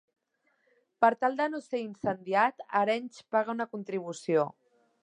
Per tal de no ser incendiat, Arenys paga una contribució.